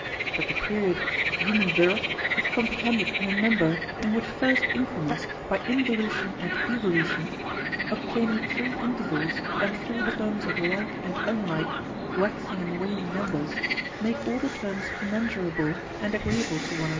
but the period of human birth is comprehended in a number in which first increments by involution and evolution (or squared and cubed) obtaining three intervals and four terms of like and unlike, waxing and waning numbers, make all the terms commensurable and agreeable to one another.